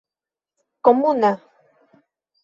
komuna